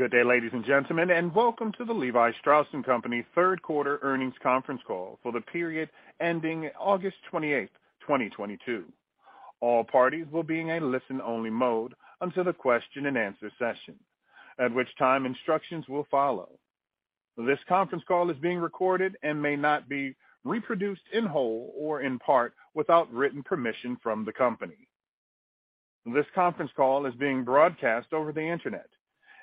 Good day, ladies and gentlemen, and welcome to the Levi Strauss & Company Third Quarter Earnings Conference Call for the period ending August 28, 2022. All parties will be in a listen-only mode until the question and answer session, at which time instructions will follow. This conference call is being recorded and may not be reproduced in whole or in part without written permission from the company. This conference call is being broadcast over the Internet,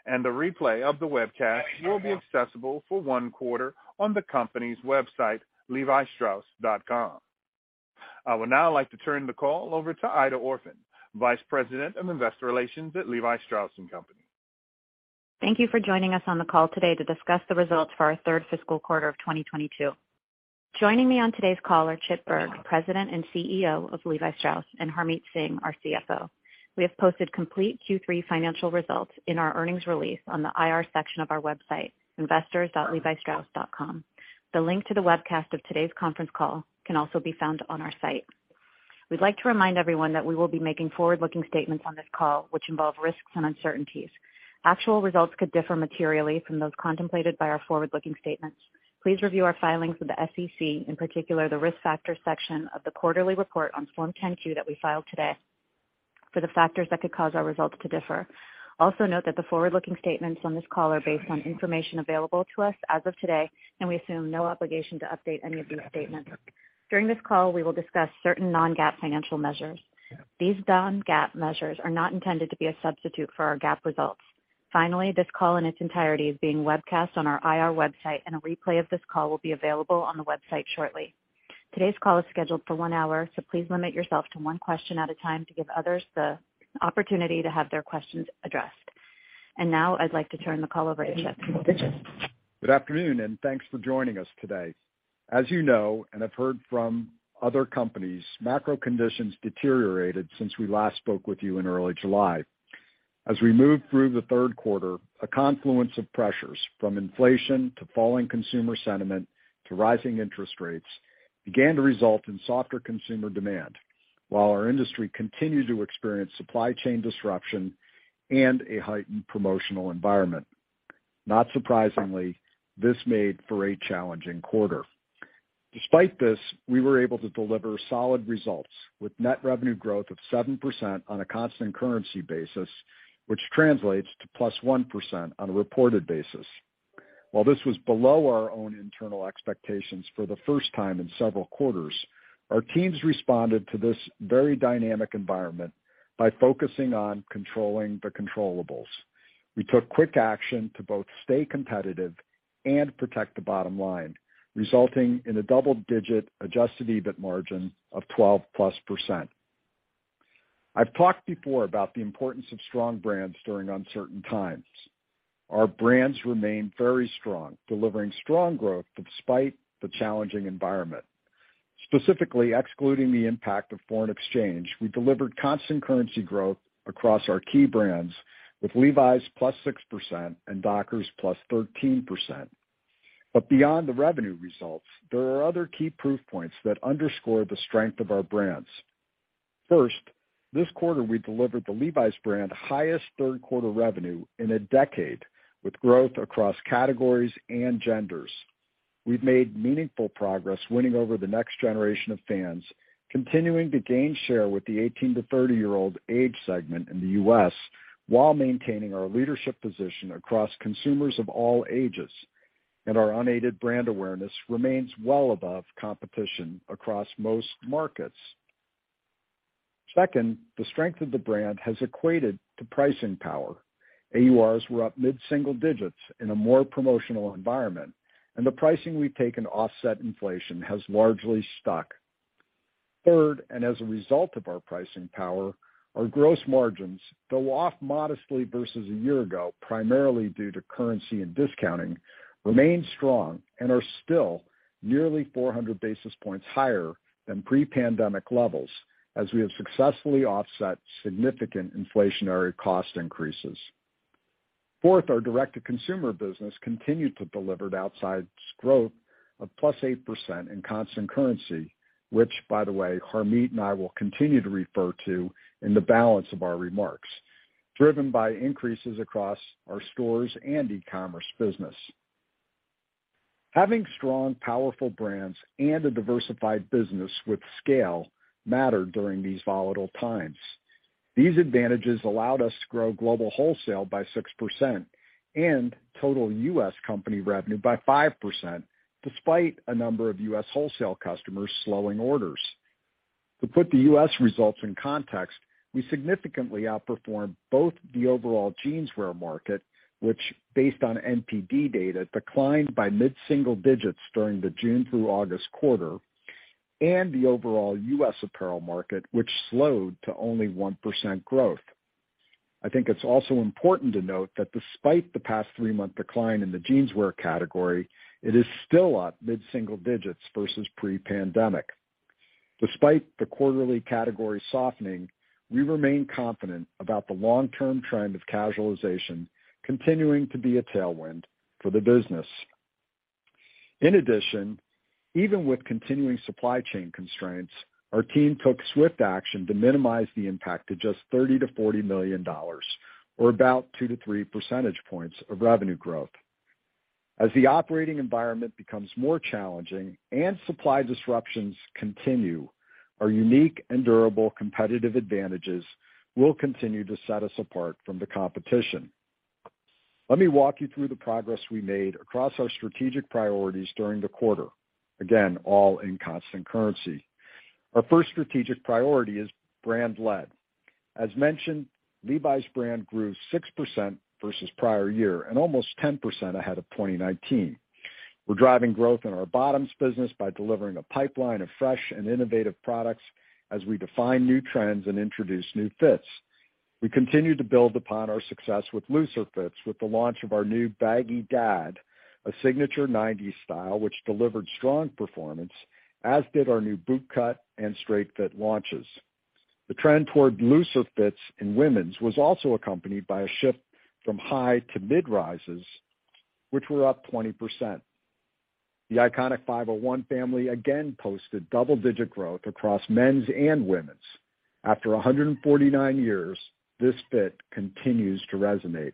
and the replay of the webcast will be accessible for one quarter on the company's website, levistrauss.com. I would now like to turn the call over to Aida Orphan, Vice President of Investor Relations at Levi Strauss & Company. Thank you for joining us on the call today to discuss the results for our third fiscal quarter of 2022. Joining me on today's call are Chip Bergh, President and CEO of Levi Strauss, and Harmit Singh, our CFO. We have posted complete Q3 financial results in our earnings release on the IR section of our website, investors.levistrauss.com. The link to the webcast of today's conference call can also be found on our site. We'd like to remind everyone that we will be making forward-looking statements on this call, which involve risks and uncertainties. Actual results could differ materially from those contemplated by our forward-looking statements. Please review our filings with the SEC, in particular, the Risk Factors section of the quarterly report on Form 10-Q that we filed today for the factors that could cause our results to differ. Also note that the forward-looking statements on this call are based on information available to us as of today, and we assume no obligation to update any of these statements. During this call, we will discuss certain non-GAAP financial measures. These non-GAAP measures are not intended to be a substitute for our GAAP results. Finally, this call in its entirety is being webcast on our IR website, and a replay of this call will be available on the website shortly. Today's call is scheduled for one hour, so please limit yourself to one question at a time to give others the opportunity to have their questions addressed. Now I'd like to turn the call over to Chip Bergh. Good afternoon, and thanks for joining us today. As you know and have heard from other companies, macro conditions deteriorated since we last spoke with you in early July. As we moved through the third quarter, a confluence of pressures from inflation to falling consumer sentiment to rising interest rates began to result in softer consumer demand, while our industry continued to experience Supply Chain Disruption and a heightened promotional environment. Not surprisingly, this made for a challenging quarter. Despite this, we were able to deliver solid results with net revenue growth of 7% on a constant-currency basis, which translates to +1% on a reported basis. While this was below our own internal expectations for the first time in several quarters, our teams responded to this very dynamic environment by focusing on controlling the controllables. We took quick action to both stay competitive and protect the bottom line, resulting in a double-digit Adjusted EBIT margin of 12+%. I've talked before about the importance of strong brands during uncertain times. Our brands remain very strong, delivering strong growth despite the challenging environment. Specifically excluding the impact of foreign exchange, we delivered constant-currency growth across our key brands, with Levi's +6% and Dockers +13%. Beyond the revenue results, there are other key proof points that underscore the strength of our brands. First, this quarter, we delivered the Levi's brand highest third quarter revenue in a decade, with growth across categories and genders. We've made meaningful progress winning over the next generation of fans, continuing to gain share with the 18 to 30-year-old age segment in the U.S. while maintaining our leadership position across consumers of all ages. Our unaided brand awareness remains well above competition across most markets. Second, the strength of the brand has equated to pricing power. AURs were up mid-single digits in a more promotional environment, and the pricing we've taken to offset inflation has largely stuck. Third, and as a result of our pricing power, our gross margins, though off modestly versus a year ago, primarily due to currency and discounting, remain strong and are still nearly 400 basis points higher than pre-pandemic levels as we have successfully offset significant inflationary cost increases. Fourth, our Direct-to-Consumer business continued to deliver outsize growth of +8% in constant-currency, which, by the way, Harmit and I will continue to refer to in the balance of our remarks, driven by increases across our stores and e-commerce business. Having strong, powerful brands and a diversified business with scale mattered during these volatile times. These advantages allowed us to grow global wholesale by 6% and total U.S. company revenue by 5%, despite a number of U.S. wholesale customers slowing orders. To put the U.S. results in context, we significantly outperformed both the overall jeanswear market, which, based on NPD data, declined by mid-single digits during the June through August quarter, and the overall U.S. apparel market, which slowed to only 1% growth. I think it's also important to note that despite the past three-month decline in the jeanswear category, it is still up mid-single digits versus pre-pandemic. Despite the quarterly category softening, we remain confident about the long-term trend of casualization continuing to be a tailwind for the business. In addition, even with continuing supply chain constraints, our team took swift action to minimize the impact to just $30 million-40 million, or about 2-3 percentage points of revenue growth. As the operating environment becomes more challenging and supply disruptions continue, our unique and durable competitive advantages will continue to set us apart from the competition. Let me walk you through the progress we made across our strategic priorities during the quarter. Again, all in constant-currency. Our first strategic priority is brand led. As mentioned, Levi's brand grew 6% versus prior year and almost 10% ahead of 2019. We're driving growth in our bottoms business by delivering a pipeline of fresh and innovative products as we define new trends and introduce new fits. We continue to build upon our success with looser fits with the launch of our new Baggy Dad, a signature 1990's style which delivered strong performance, as did our new boot cut and straight fit launches. The trend toward looser fits in women's was also accompanied by a shift from high to mid-rises, which were up 20%. The iconic 501 Family again posted double-digit growth across men's and women's. After 149 years, this fit continues to resonate.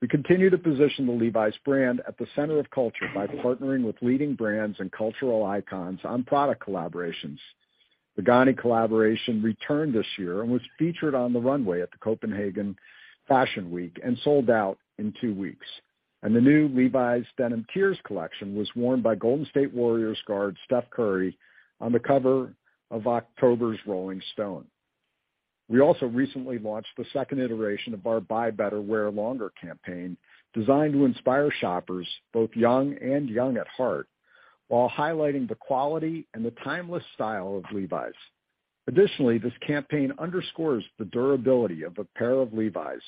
We continue to position the Levi's brand at the center of culture by partnering with leading brands and cultural icons on product collaborations. The GANNI collaboration returned this year and was featured on the runway at the Copenhagen Fashion Week and sold out in two weeks. The new Levi's Denim Tears collection was worn by Golden State Warriors guard Steph Curry on the cover of October's Rolling Stone. We also recently launched the second iteration of our Buy Better, Wear Longer campaign, designed to inspire shoppers both young and young at heart, while highlighting the quality and the timeless style of Levi's. Additionally, this campaign underscores the durability of a pair of Levi's,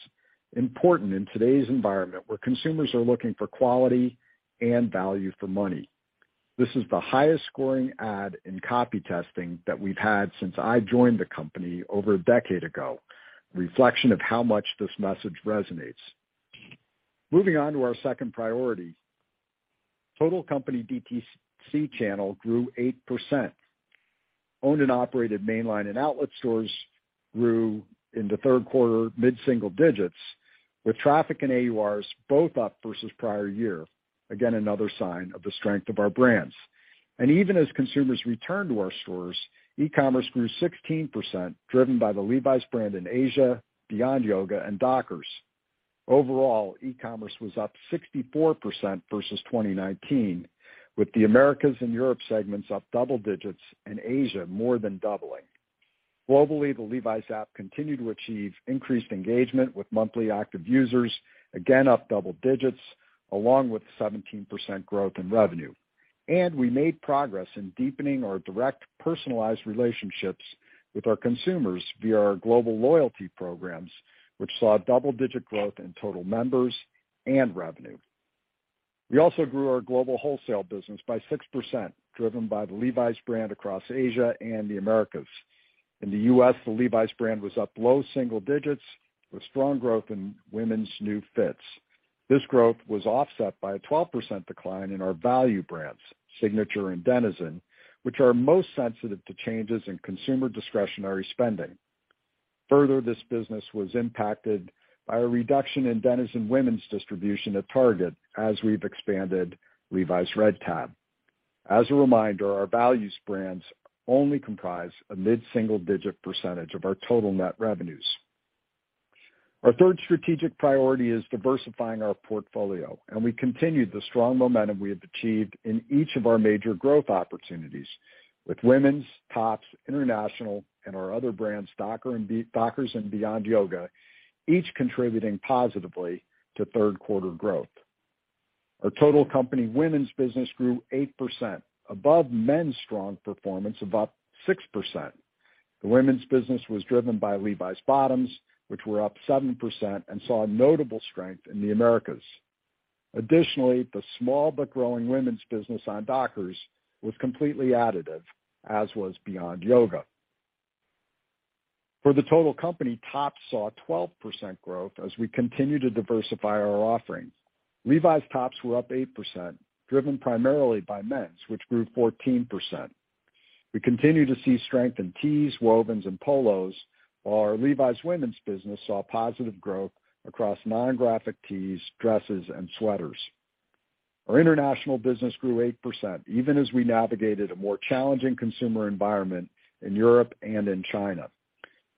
important in today's environment where consumers are looking for quality and value for money. This is the highest scoring ad in copy testing that we've had since I joined the company over a decade ago, a reflection of how much this message resonates. Moving on to our second priority. Total company DTC channel grew 8%. Owned and operated mainline and outlet stores grew in the third quarter, mid-single digits, with traffic and AURs both up versus prior year. Again, another sign of the strength of our brands. Even as consumers return to our stores, e-commerce grew 16%, driven by the Levi's brand in Asia, Beyond Yoga and Dockers. Overall, e-commerce was up 64% versus 2019, with the Americas and Europe segments up double digits and Asia more than doubling. Globally, the Levi's app continued to achieve increased engagement with monthly active users, again up double digits, along with 17% growth in revenue. We made progress in deepening our direct personalized relationships with our consumers via our global loyalty programs, which saw double-digit growth in total members and revenue. We also grew our global wholesale business by 6%, driven by the Levi's brand across Asia and the Americas. In the U.S, the Levi's brand was up low single digits, with strong growth in women's new fits. This growth was offset by a 12% decline in our value brands, Signature and Denizen, which are most sensitive to changes in consumer discretionary spending. Further, this business was impacted by a reduction in Denizen women's distribution at Target as we've expanded Levi's Red Tab. As a reminder, our value brands only comprise a mid-single digit percentage of our total Net Revenues. Our third strategic priority is diversifying our portfolio, and we continued the strong momentum we have achieved in each of our major growth opportunities with women's, tops, international, and our other brands, Dockers and Beyond Yoga, each contributing positively to third-quarter growth. Our total company women's business grew 8%, above men's strong performance, above 6%. The women's business was driven by Levi's bottoms, which were up 7% and saw notable strength in the Americas. Additionally, the small but growing women's business on Dockers was completely additive, as was Beyond Yoga. For the total company, Tops saw 12% growth as we continue to diversify our offerings. Levi's tops were up 8%, driven primarily by men's, which grew 14%. We continue to see strength in Tees, Wovens, and Polos, while our Levi's women's business saw positive growth across non-graphic tees, dresses, and sweaters. Our international business grew 8%, even as we navigated a more challenging consumer environment in Europe and in China.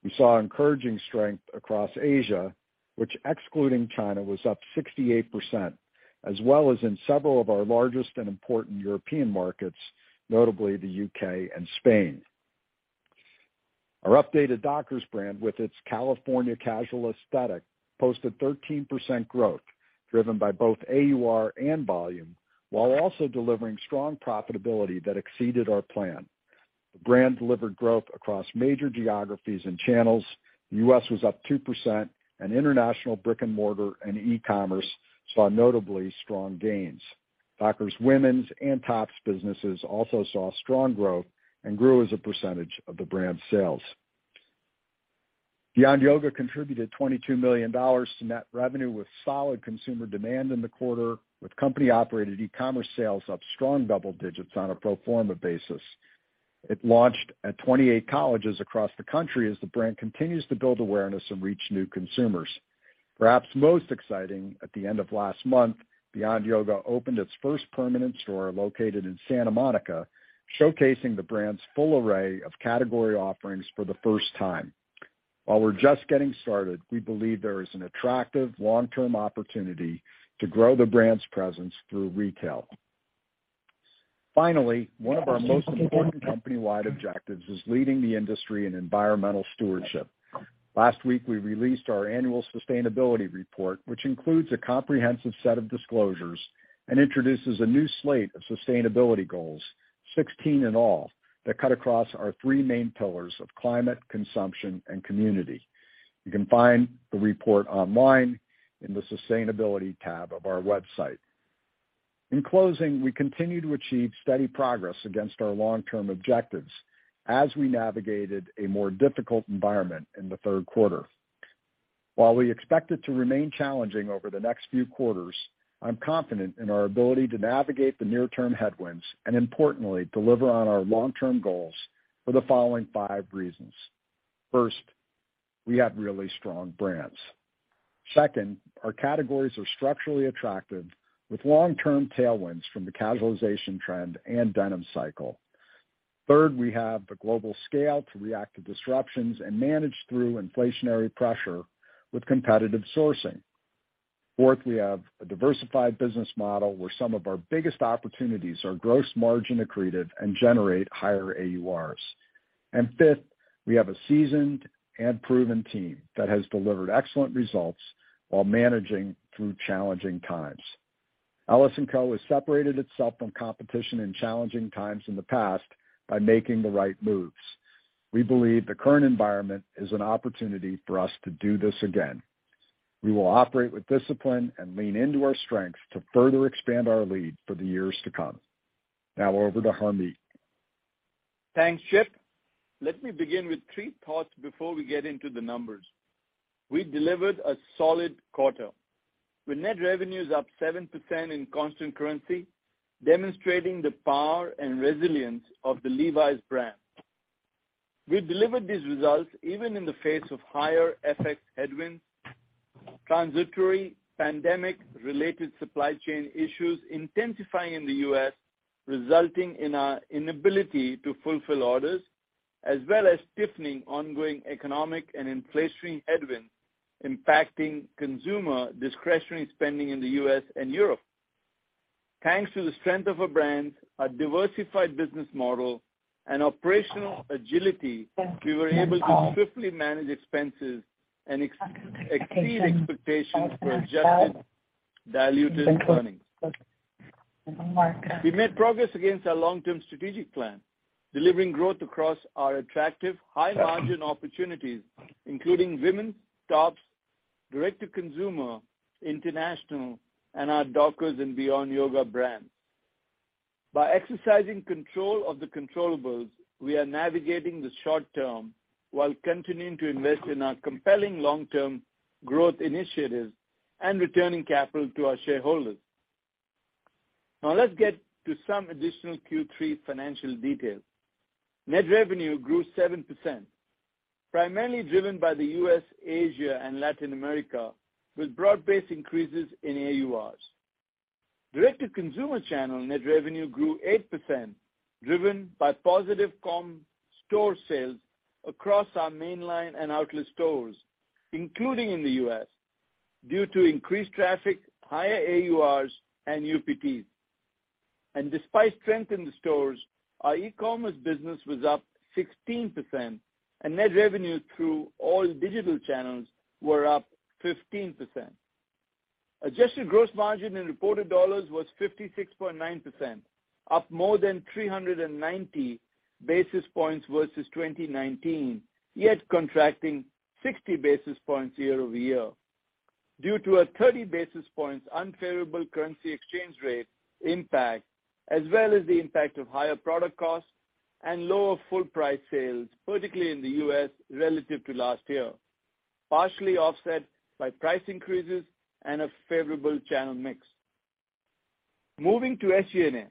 We saw encouraging strength across Asia, which excluding China, was up 68%, as well as in several of our largest and important European markets, notably the U.K. and Spain. Our updated Dockers brand, with its California casual aesthetic, posted 13% growth, driven by both AUR and volume, while also delivering strong profitability that exceeded our plan. The brand delivered growth across major geographies and channels. The U.S. was up 2%, and international brick-and-mortar and e-commerce saw notably strong gains. Dockers women's and tops businesses also saw strong growth and grew as a percentage of the brand's sales. Beyond Yoga contributed $22 million to net revenue with solid consumer demand in the quarter, with company-operated e-commerce sales up strong double digits on a pro forma basis. It launched at 28 colleges across the country as the brand continues to build awareness and reach new consumers. Perhaps most exciting, at the end of last month, Beyond Yoga opened its first permanent store located in Santa Monica, showcasing the brand's full array of category offerings for the first time. While we're just getting started, we believe there is an attractive long-term opportunity to grow the brand's presence through retail. Finally, one of our most important company-wide objectives is leading the industry in environmental stewardship. Last week, we released our annual sustainability report, which includes a comprehensive set of disclosures and introduces a new slate of sustainability goals, 16 in all, that cut across our three main pillars of climate, consumption, and community. You can find the report online in the Sustainability tab of our website. In closing, we continue to achieve steady progress against our long-term objectives as we navigated a more difficult environment in the third quarter. While we expect it to remain challenging over the next few quarters, I'm confident in our ability to navigate the near-term headwinds and importantly, deliver on our long-term goals for the following five reasons. First, we have really strong brands. Second, our categories are structurally attractive, with long-term tailwinds from the casualization trend and denim cycle. Third, we have the global scale to react to disruptions and manage through inflationary pressure with competitive sourcing. Fourth, we have a Diversified Business Model where some of our biggest opportunities are gross margin accretive and generate higher AURs. Fifth, we have a seasoned and proven team that has delivered excellent results while managing through challenging times. LS&Co. has separated itself from competition in challenging times in the past by making the right moves. We believe the current environment is an opportunity for us to do this again. We will operate with discipline and lean into our strengths to further expand our lead for the years to come. Now over to Harmit. Thanks, Chip. Let me begin with three thoughts before we get into the numbers. We delivered a solid quarter, with Net Revenues up 7% in constant-currency, demonstrating the power and resilience of the Levi's brand. We delivered these results even in the face of higher FX Headwinds, Transitory Pandemic-related supply chain issues intensifying in the U.S., resulting in our inability to fulfill orders, as well as stiffening ongoing economic and inflationary headwinds impacting consumer discretionary spending in the U.S. and Europe. Thanks to the strength of our brands, our Diversified Business Model, and operational agility, we were able to swiftly manage expenses and exceed expectations for adjusted diluted earnings. We made progress against our long-term strategic plan, delivering growth across our attractive high-margin opportunities, including women's tops, Direct-to-Consumer, international, and our Dockers and Beyond Yoga brands. By exercising control of the controllables, we are navigating the short term while continuing to invest in our compelling long-term growth initiatives and returning capital to our shareholders. Now let's get to some additional Q3 financial details. Net revenue grew 7%, primarily driven by the U.S., Asia, and Latin America, with broad-based increases in AURs. Direct-to-Consumer channel net revenue grew 8%, driven by positive comp store sales across our mainline and outlet stores, including in the U.S., due to increased traffic, higher AURs, and UPTs. Despite strength in the stores, our e-commerce business was up 16%, and net revenue through all digital channels were up 15%. Adjusted gross margin in reported dollars was 56.9%, up more than 390 basis points versus 2019, yet contracting 60 basis points year-over-year due to a 30 basis points unfavorable currency exchange rate impact, as well as the impact of Higher Product Costs and Lower Full-Priced Sales, particularly in the U.S. relative to last year, partially offset by price increases and a Favorable Channel Mix. Moving to SG&A.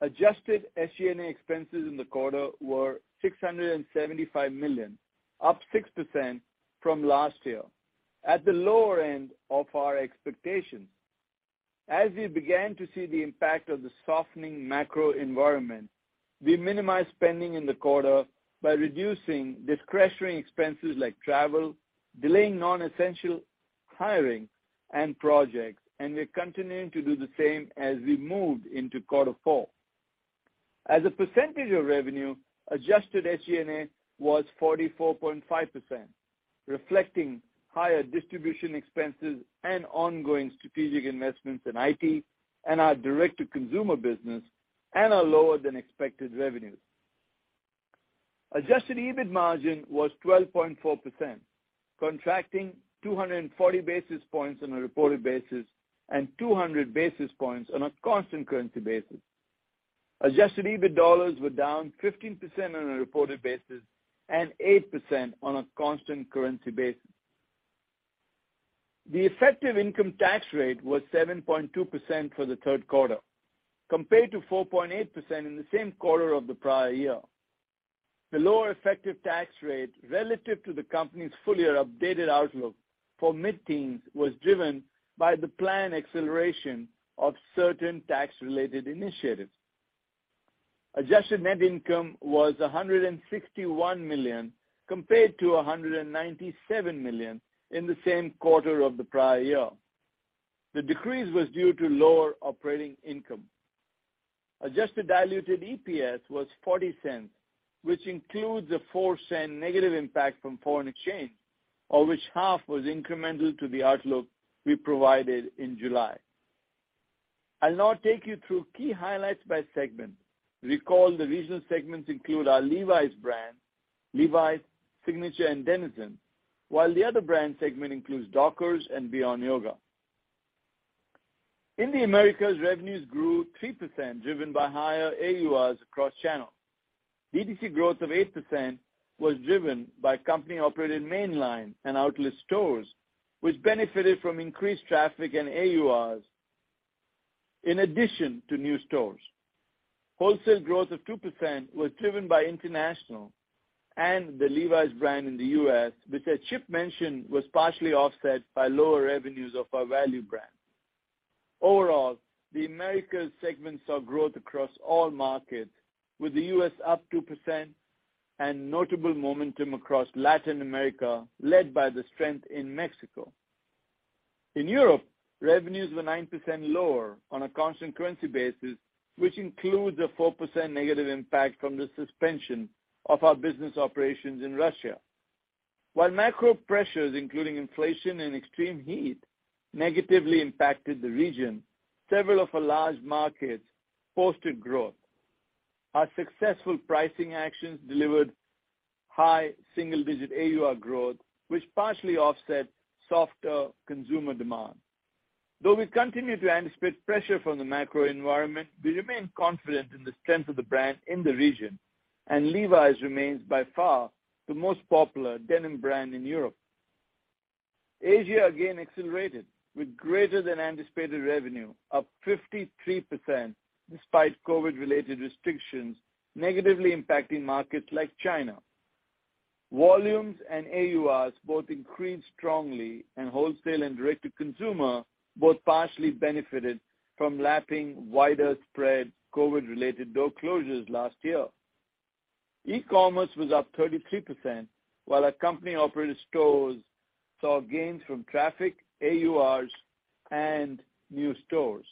Adjusted SG&A expenses in the quarter were $675 million, up 6% from last year, at the lower end of our expectations. As we began to see the impact of the softening macro environment, we minimized spending in the quarter by reducing discretionary expenses like travel, delaying non-essential hiring and projects, and we're continuing to do the same as we move into quarter four. As a percentage of revenue, adjusted SG&A was 44.5%, reflecting higher distribution expenses and ongoing strategic investments in IT and our Direct-to-Consumer business and our lower than expected revenues. Adjusted EBIT margin was 12.4%, contracting 240 basis points on a reported basis and 200 basis points on a constant-currency basis. Adjusted EBIT dollars were down 15% on a reported basis and 8% on a constant-currency basis. The effective income tax rate was 7.2% for the third quarter, compared to 4.8% in the same quarter of the prior year. The lower effective tax rate relative to the company's full year updated outlook for mid-teens was driven by the planned acceleration of certain tax-related initiatives. Adjusted net income was $161 million compared to 197 million in the same quarter of the prior year. The decrease was due to lower operating income. Adjusted Diluted EPS was $0.40, which includes a 0.04 negative impact from foreign exchange, of which half was incremental to the outlook we provided in July. I'll now take you through key highlights by segment. Recall the regional segments include our Levi's brand, Levi's Signature and Denizen. While the other brand segment includes Dockers and Beyond Yoga. In the Americas, revenues grew 3%, driven by higher AURs cross-channel. DTC growth of 8% was driven by company-operated mainline and outlet stores, which benefited from increased traffic and AURs in addition to new stores. Wholesale growth of 2% was driven by international and the Levi's brand in the U.S., which as Chip mentioned, was partially offset by lower revenues of our value brand. Overall, the Americas segment saw growth across all markets, with the U.S. up 2% and notable momentum across Latin America led by the strength in Mexico. In Europe, revenues were 9% lower on a constant-currency basis, which includes a 4% negative impact from the suspension of our business operations in Russia. While macro pressures, including inflation and extreme heat, negatively impacted the region, several of our large markets posted growth. Our successful pricing actions delivered high single-digit AUR growth, which partially offset softer consumer demand. Though we continue to anticipate pressure from the macro environment, we remain confident in the strength of the brand in the region, and Levi's remains by far the most popular denim brand in Europe. Asia again accelerated with greater than anticipated revenue, up 53% despite COVID-related restrictions negatively impacting markets like China. Volumes and AURs both increased strongly, and wholesale and Direct-to-Consumer both partially benefited from lapping wider spread COVID-related door closures last year. E-commerce was up 33%, while our company-operated stores saw gains from traffic, AURs, and new stores.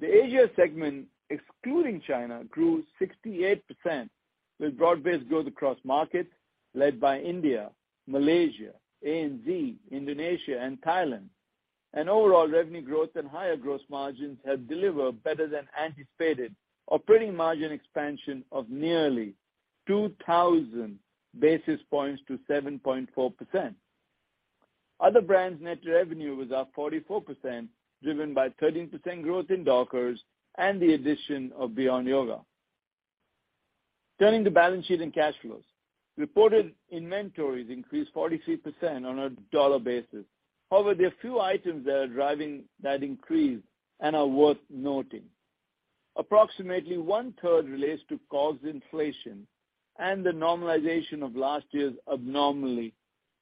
The Asia segment, excluding China, grew 68% with broad-based growth across markets led by India, Malaysia, ANZ, Indonesia, and Thailand. Overall revenue growth and higher gross margins have delivered better than anticipated operating margin expansion of nearly 2,000 basis points to 7.4%. Other brands net revenue was up 44%, driven by 13% growth in Dockers and the addition of Beyond Yoga. Turning to balance sheet and cash flows. Reported inventories increased 43% on a dollar basis. However, there are few items that are driving that increase and are worth noting. Approximately one-third relates to cost inflation and the normalization of last year's abnormally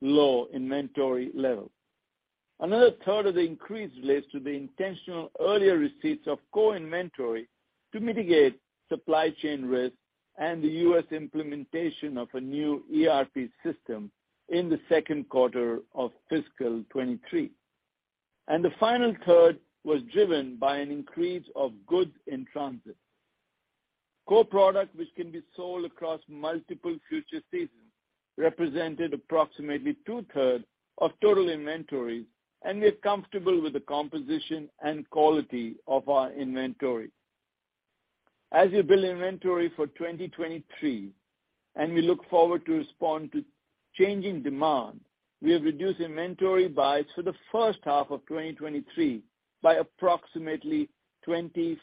low inventory level. Another third of the increase relates to the intentional earlier receipts of core inventory to mitigate supply chain risk and the U.S. implementation of a new ERP system in the second quarter of fiscal 2023. The final third was driven by an increase of goods in transit. Core product, which can be sold across multiple future seasons, represented approximately two-thirds of total inventory, and we're comfortable with the composition and quality of our inventory. As we build inventory for 2023, and we look forward to respond to changing demand, we have reduced inventory by, for the first half of 2023, by approximately 25%.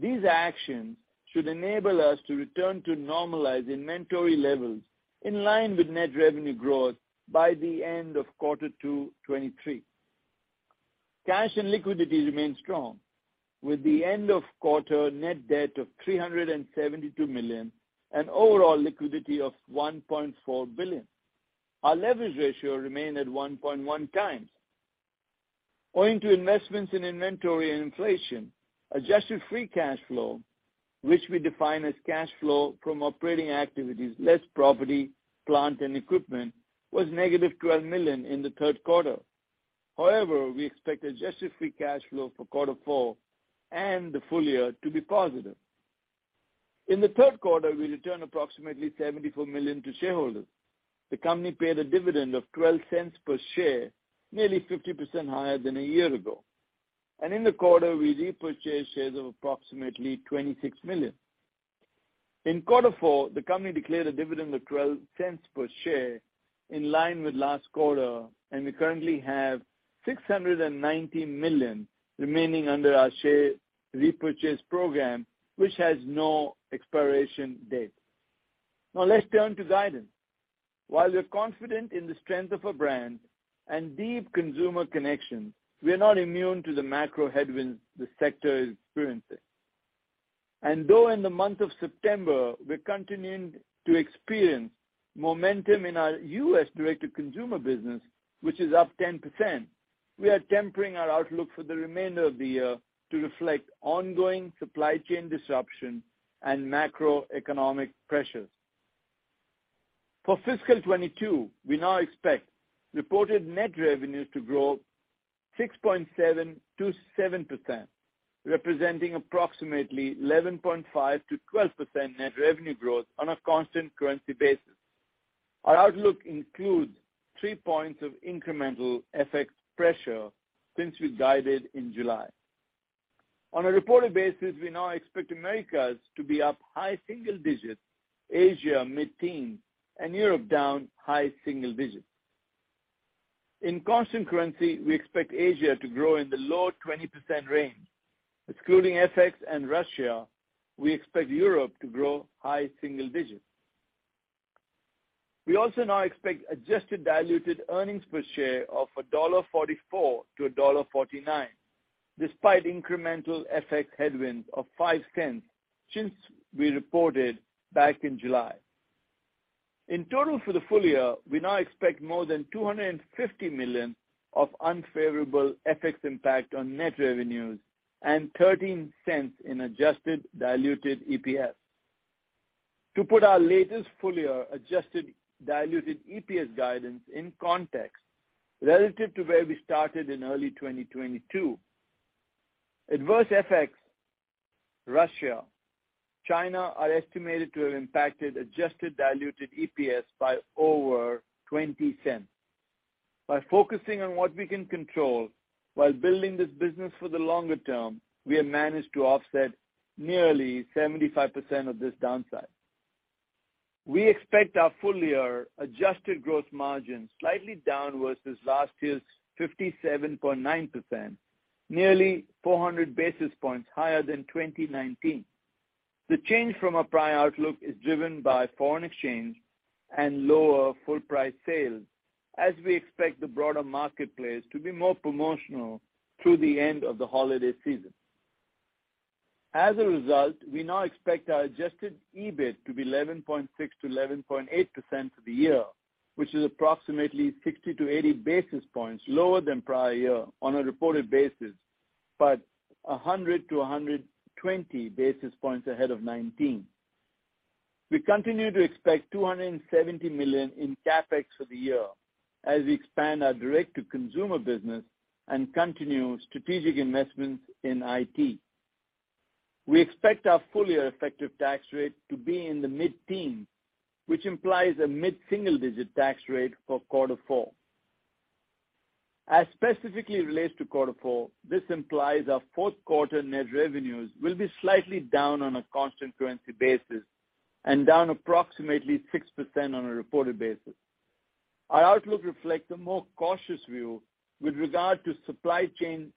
These actions should enable us to return to normalized inventory levels in line with net revenue growth by the end of Q2 2023. Cash and liquidity remain strong with the end of quarter net debt of $372 million and overall liquidity of $1.4 billion. Our leverage ratio remained at 1.1x. Owing to investments in inventory and inflation, adjusted free cash flow, which we define as cash flow from operating activities, less property, plant, and equipment, was -$12 million in the third quarter. However, we expect adjusted free cash flow for Q4 and the full year to be positive. In the third quarter, we returned approximately $74 million to shareholders. The company paid a dividend of $0.12 per share, nearly 50% higher than a year ago. In the quarter, we repurchased shares of approximately $26 million. In quarter four, the company declared a dividend of $0.12 per share in line with last quarter, and we currently have $690 million remaining under our share repurchase program, which has no expiration date. Now let's turn to guidance. While we're confident in the strength of our brand and deep consumer connection, we are not immune to the macro headwinds the sector is experiencing. Though in the month of September, we're continuing to experience momentum in our U.S. Direct-to-Consumer business, which is up 10%, we are tempering our outlook for the remainder of the year to reflect ongoing Supply Chain Disruption and Macroeconomic Pressure. For fiscal 2022, we now expect Reported Net Revenues to grow 6.7%-7%, representing approximately 11.5%-12% net revenue growth on a constant-currency basis. Our outlook includes 3 points of incremental FX pressure since we guided in July. On a reported basis, we now expect Americas to be up high single digits, Asia mid-teens, and Europe down high single digits. In constant-currency, we expect Asia to grow in the low 20% range. Excluding FX and Russia, we expect Europe to grow high single digits. We also now expect adjusted diluted earnings per share of $1.44-1.49, despite incremental FX headwinds of $0.05 since we reported back in July. In total for the full year, we now expect more than $250 million of unfavorable FX Impact on Net Revenues and $0.13 in Adjusted Diluted EPS. To put our latest full-year Adjusted Diluted EPS guidance in context relative to where we started in early 2022, adverse FX, Russia, China are estimated to have impacted Adjusted Diluted EPS by over $0.20. By focusing on what we can control while building this business for the longer term, we have managed to offset nearly 75% of this downside. We expect our full-year adjusted gross margin slightly down versus last year's 57.9%, nearly 400 basis points higher than 2019. The change from our prior outlook is driven by foreign exchange and Lower Full-Priced Sales, as we expect the broader marketplace to be more promotional through the end of the holiday season. As a result, we now expect our Adjusted EBIT to be 11.6%-11.8% for the year, which is approximately 60-80 basis points lower than prior year on a reported basis, but 100-120 basis points ahead of 2019. We continue to expect $270 million in CapEx for the year as we expand our Direct-to-Consumer business and continue strategic investments in IT. We expect our full-year effective tax rate to be in the mid-teens, which implies a mid-single-digit tax rate for quarter four. As specifically relates to quarter four, this implies our fourth quarter Net Revenues will be slightly down on a constant-currency basis and down approximately 6% on a reported basis. Our outlook reflects a more cautious view with regard to supply chain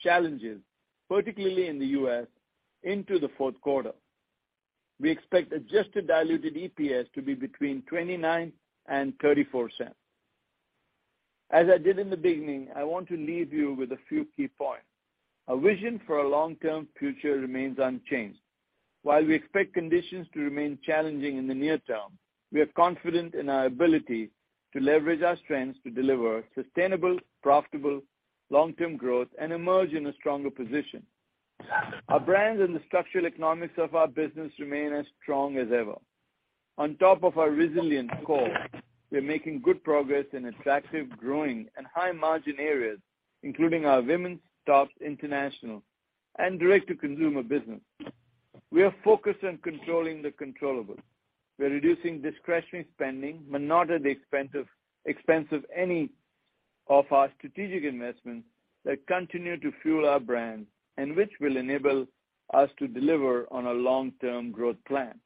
challenges, particularly in the U.S. into the fourth quarter. We expect Adjusted Diluted EPS to be between $0.29 and 0.34. As I did in the beginning, I want to leave you with a few key points. Our vision for our long-term future remains unchanged. While we expect conditions to remain challenging in the near term, we are confident in our ability to leverage our strengths to deliver sustainable, profitable, long-term growth and emerge in a stronger position. Our brands and the structural economics of our business remain as strong as ever. On top of our resilient core, we are making good progress in attractive, growing, and high-margin areas, including our women's tops international and Direct-to-Consumer business. We are focused on controlling the controllable. We're reducing discretionary spending, but not at the expense of any of our strategic investments that continue to fuel our brand and which will enable us to deliver on our long-term growth plan.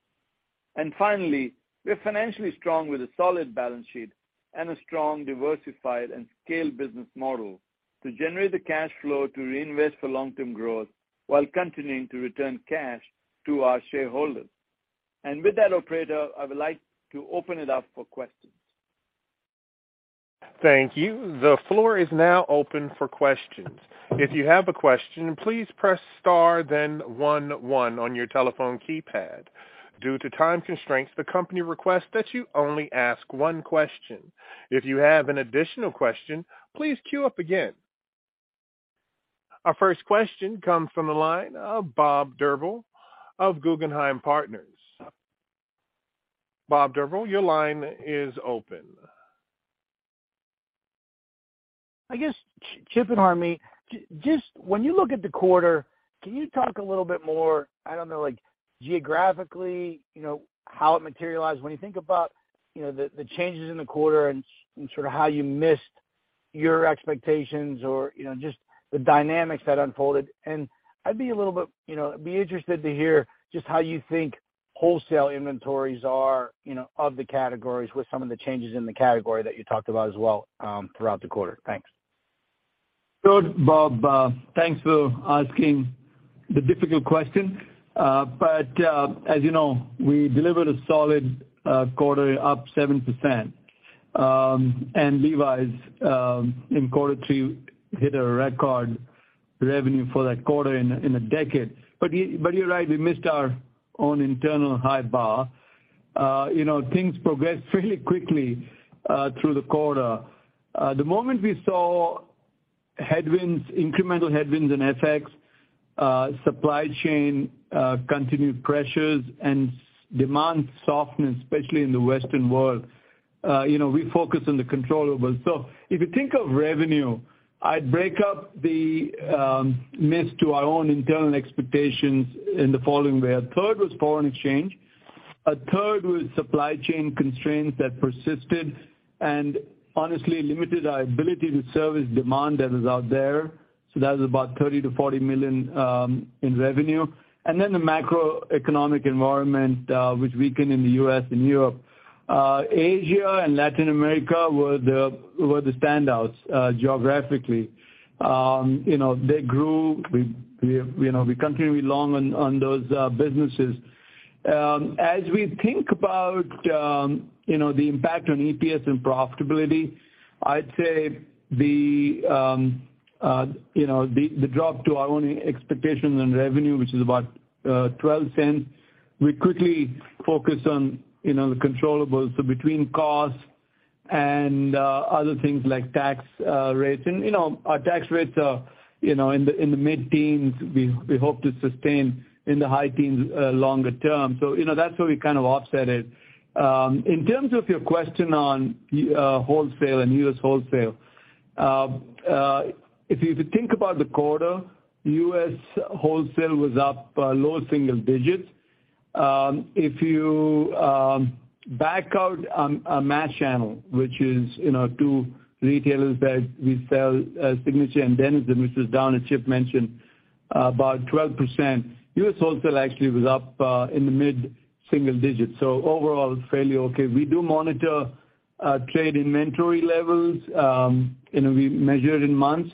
Finally, we are financially strong with a solid balance sheet and a strong, diversified, and scaled business model to generate the cash flow to reinvest for long-term growth while continuing to return cash to our shareholders. With that, operator, I would like to open it up for questions. Thank you. The floor is now open for questions. If you have a question, please press star then one one on your telephone keypad. Due to time constraints, the company requests that you only ask one question. If you have an additional question, please queue up again. Our first question comes from the line of Bob Drbul of Guggenheim Partners. Bob Drbul, your line is open. I guess, Chip and Harmit, just when you look at the quarter, can you talk a little bit more, I don't know, like geographically, you know, how it materialized when you think about, you know, the changes in the quarter and sort of how you missed your expectations or, you know, just the dynamics that unfolded. I'd be a little bit, you know, be interested to hear just how you think wholesale inventories are, you know, of the categories with some of the changes in the category that you talked about as well, throughout the quarter. Thanks. Sure, Bob. Thanks for asking the difficult question. As you know, we delivered a solid quarter up 7%. Levi's in quarter three hit a record revenue for that quarter in a decade. You're right, we missed our own internal high bar. You know, things progressed fairly quickly through the quarter. The moment we saw headwinds, incremental headwinds in FX, supply chain, continued pressures and demand softness, especially in the Western world, you know, we focus on the controllables. If you think of revenue, I'd break up the miss to our own internal expectations in the following way. A third was foreign exchange, a third was supply chain constraints that persisted and honestly limited our ability to service demand that was out there, so that was about $30 million-40 million in revenue. Then the macroeconomic environment, which weakened in the U.S. and Europe. Asia and Latin America were the standouts, geographically. You know, they grew. We, you know, we continue along on those businesses. As we think about, you know, the impact on EPS and profitability, I'd say the, you know, the drop to our own expectations and revenue, which is about $0.12, we quickly focus on, you know, the controllables. Between cost and other things like tax rates. You know, our tax rates are, you know, in the mid-teens%. We hope to sustain in the high teens% longer term. You know, that's where we kind of offset it. In terms of your question on wholesale and U.S. wholesale, if you think about the quarter, U.S. wholesale was up low single digits%. If you back out a mass channel, which is, you know, two retailers that we sell, Signature and Denizen, which is down, as Chip mentioned, about 12%, U.S. wholesale actually was up in the mid-single digits%. Overall, it's fairly okay. We do monitor trade inventory levels, you know, we measure it in months.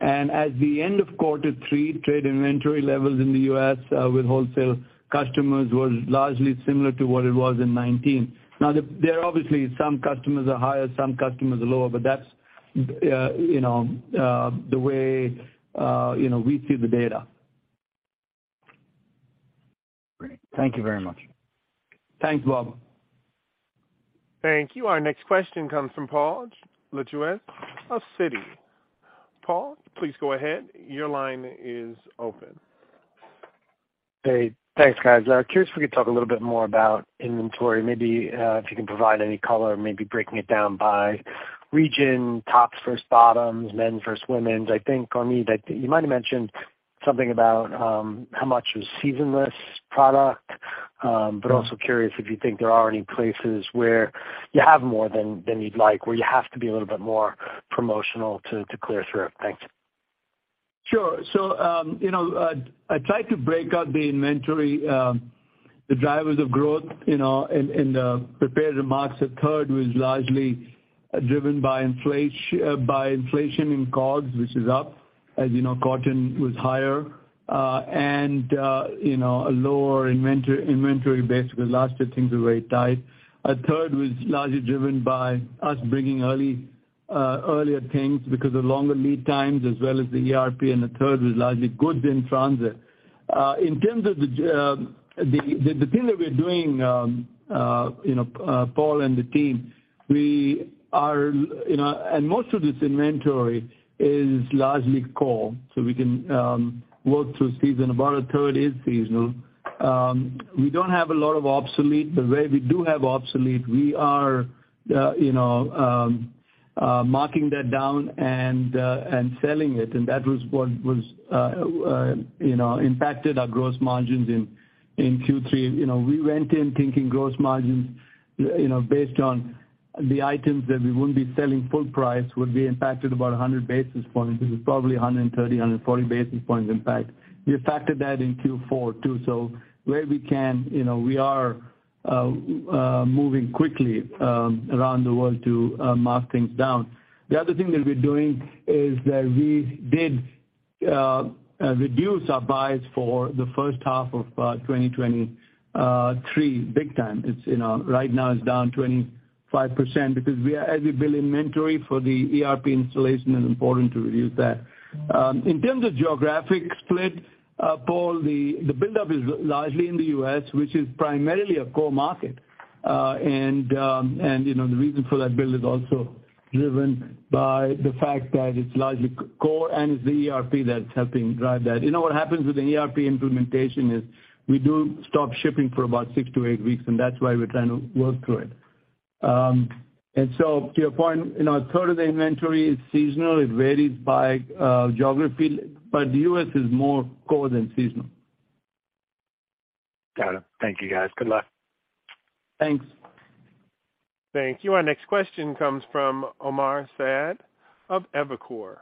At the end of quarter three, trade inventory levels in the U.S. with wholesale customers was largely similar to what it was in 2019. Now, there are obviously some customers are higher, some customers are lower, but that's, you know, the way, you know, we see the data. Great. Thank you very much. Thanks, Bob. Thank you. Our next question comes from Paul Lejuez of Citi. Paul, please go ahead. Your line is open. Hey, thanks, guys. Curious if we could talk a little bit more about inventory. Maybe, if you can provide any color, maybe breaking it down by region, tops versus bottoms, men versus women. I think, Harmit, I think you might have mentioned something about, how much was seasonless product. But also curious if you think there are any places where you have more than you'd like, where you have to be a little bit more promotional to clear through. Thanks. Sure. You know, I tried to break out the inventory, the drivers of growth, you know, in the prepared remarks. A third was largely driven by inflation in COGS, which is up. As you know, cotton was higher, and, you know, a lower inventory base because last year things were very tight. A third was largely driven by us bringing earlier things because of longer lead times as well as the ERP, and a third was largely goods in transit. In terms of the thing that we're doing, you know, Paul and the team, we are, you know, and most of this inventory is largely core. We can work through season. About a third is seasonal. We don't have a lot of obsolete. The way we do have obsolete, we are, you know, marking that down and selling it, and that was what you know impacted our gross margins in Q3. You know, we went in thinking gross margins, you know, based on the items that we wouldn't be selling full price would be impacted about 100 basis points. It was probably 130, 140 basis points impact. We factored that in Q4 too. Where we can, you know, we are moving quickly around the world to mark things down. The other thing that we're doing is that we did reduce our buys for the first half of 2023 big time. You know, right now it's down 25% because we are, as we build inventory for the ERP installation, it's important to reduce that. In terms of geographic split, Paul, the buildup is largely in the U.S., which is primarily a core market. You know, the reason for that build is also driven by the fact that it's largely core and it's the ERP that's helping drive that. You know what happens with the ERP implementation is we do stop shipping for about 6-8 weeks, and that's why we're trying to work through it. To your point, you know, a third of the inventory is seasonal. It varies by geography, but the U.S. is more core than seasonal. Got it. Thank you guys. Good luck. Thanks. Thank you. Our next question comes from Omar Saad of Evercore.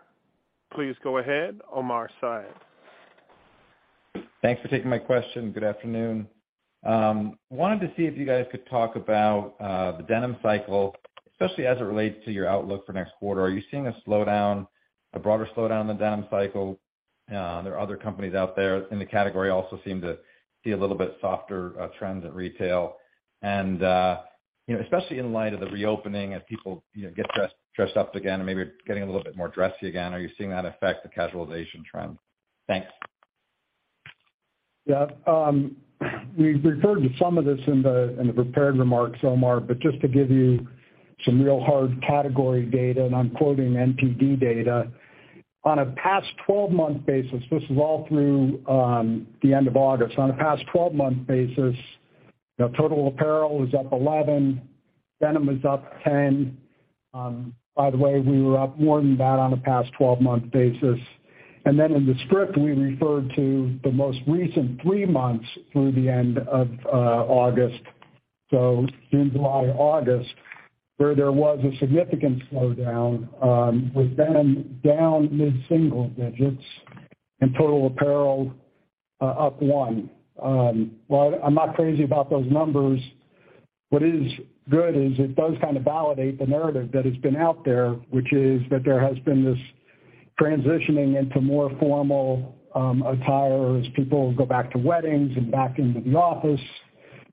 Please go ahead, Omar Saad. Thanks for taking my question. Good afternoon. Wanted to see if you guys could talk about the denim cycle, especially as it relates to your outlook for next quarter. Are you seeing a slowdown, a broader slowdown in the denim cycle? There are other companies out there in the category also seem to see a little bit softer trends at retail. You know, especially in light of the reopening as people, you know, get dressed up again and maybe getting a little bit more dressy again, are you seeing that affect the casualization trend? Thanks. Yeah. We've referred to some of this in the prepared remarks, Omar, but just to give you some real hard category data, and I'm quoting NPD data. On a past 12-month basis, this is all through the end of August. On a past 12-month basis, you know, total apparel is up 11%, denim is up 10%. By the way, we were up more than that on a past 12-month basis. In the script, we referred to the most recent three months through the end of August. June, July, August, where there was a significant slowdown, with denim down mid-single digits and total apparel up 1%. Well, I'm not crazy about those numbers. What is good is it does kind of validate the narrative that has been out there, which is that there has been this transitioning into more formal attire as people go back to weddings and back into the office,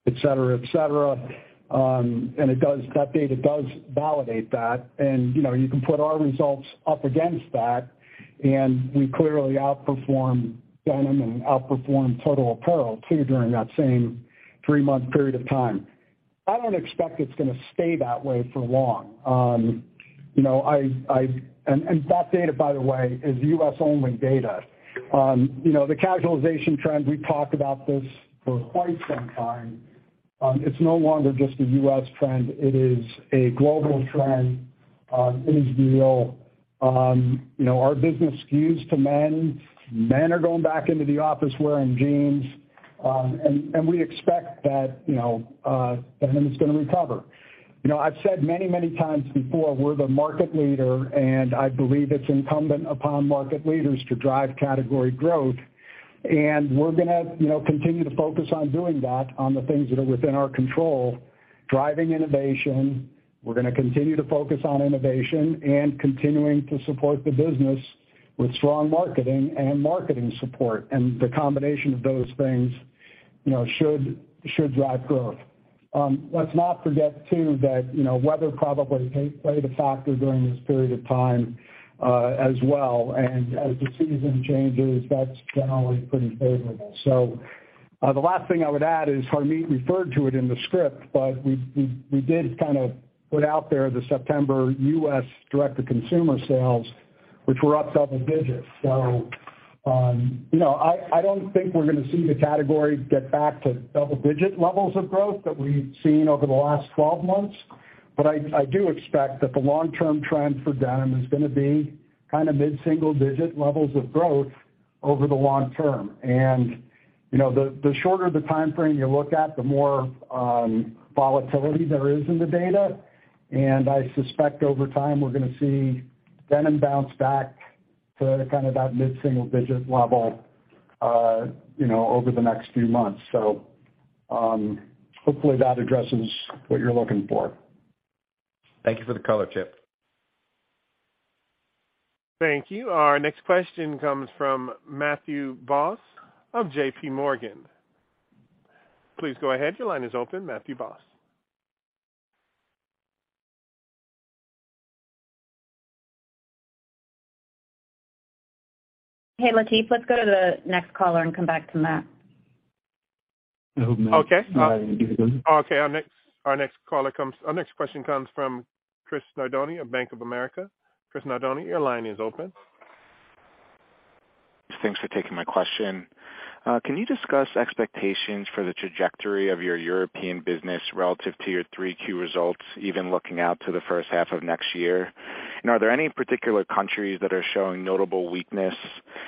et cetera, et cetera. That data does validate that. You know, you can put our results up against that, and we clearly outperformed denim and outperformed total apparel too during that same three-month period of time. I don't expect it's gonna stay that way for long. That data, by the way, is U.S. only data. You know, the casualization trend, we've talked about this for quite some time. It's no longer just a U.S. trend. It is a global trend. It is real. You know, our business skews to men. Men are going back into the office wearing jeans. We expect that, you know, denim is gonna recover. You know, I've said many times before, we're the market leader, and I believe it's incumbent upon market leaders to drive category growth. We're gonna, you know, continue to focus on doing that on the things that are within our control. Driving innovation, we're gonna continue to focus on innovation and continuing to support the business with strong marketing and marketing support. The combination of those things, you know, should drive growth. Let's not forget too that, you know, weather probably played a factor during this period of time, as well. As the season changes, that's generally pretty favorable. The last thing I would add is Harmit referred to it in the script, but we did kind of put out there the September U.S. Direct-to-Consumer sales, which were up double digits. You know, I don't think we're gonna see the category get back to double-digit levels of growth that we've seen over the last 12 months, but I do expect that the long-term trend for denim is gonna be kinda mid-single-digit levels of growth over the long term. You know, the shorter the timeframe you look at, the more volatility there is in the data. I suspect over time, we're gonna see denim bounce back to kind of that mid-single-digit level, you know, over the next few months. Hopefully that addresses what you're looking for. Thank you for the color, Chip. Thank you. Our next question comes from Matthew Boss of JP Morgan. Please go ahead. Your line is open, Matthew Boss. Hey, Latif, let's go to the next caller and come back to Matt. I hope Matt- Okay. Our next question comes from Chris Nardone of Bank of America. Chris Nardone, your line is open. Thanks for taking my question. Can you discuss expectations for the trajectory of your European business relative to your 3Q results, even looking out to the first half of next year? Are there any particular countries that are showing notable weakness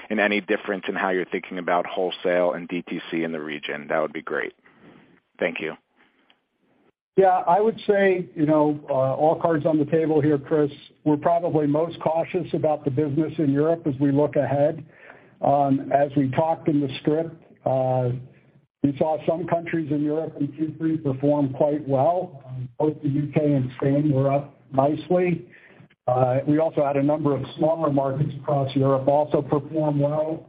and any difference in how you're thinking about wholesale and DTC in the region? That would be great. Thank you. Yeah. I would say, you know, all cards on the table here, Chris, we're probably most cautious about the business in Europe as we look ahead. As we talked in the script, we saw some countries in Europe in Q3 perform quite well. Both the U.K. and Spain were up nicely. We also had a number of smaller markets across Europe also perform well,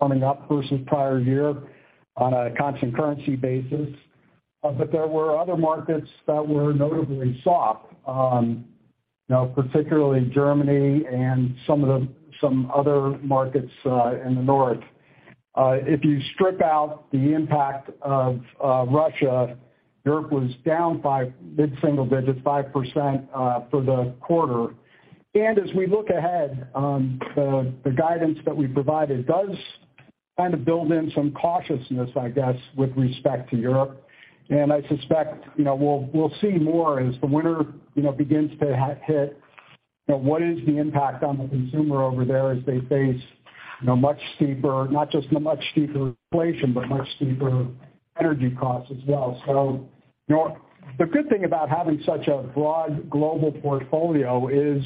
coming up versus prior year on a constant-currency basis. There were other markets that were notably soft, you know, particularly Germany and some other markets in the North. If you strip out the impact of Russia, Europe was down by mid-single digits, 5%, for the quarter. As we look ahead, the guidance that we provided does kinda build in some cautiousness, I guess, with respect to Europe. I suspect, you know, we'll see more as the winter, you know, begins to hit. Now, what is the impact on the consumer over there as they face, you know, much steeper, not just the much steeper inflation, but much steeper energy costs as well? The good thing about having such a broad global portfolio is,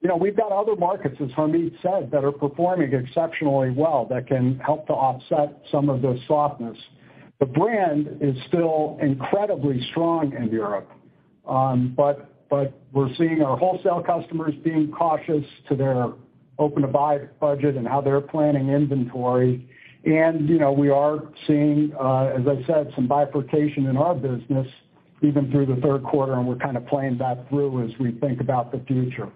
you know, we've got other markets, as Harmit said, that are performing exceptionally well that can help to offset some of the softness. The brand is still incredibly strong in Europe. But we're seeing our wholesale customers being cautious to their open to buy budget and how they're planning inventory. You know, we are seeing, as I said, some bifurcation in our business even through the third quarter, and we're kinda playing that through as we think about the future.